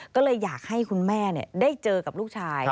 ก็เลยอยากให้คุณแม่ได้เจอกับลูกชาย